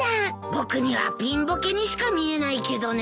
僕にはピンボケにしか見えないけどね。